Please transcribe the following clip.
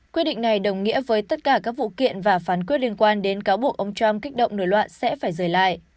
quyết định này đồng nghĩa với tất cả các vụ kiện và phán quyết liên quan đến cáo buộc ông trump kích động nửa loạn sẽ phải rời lại